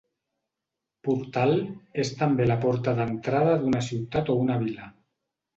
Portal és també la porta d’entrada d’una ciutat o una vila.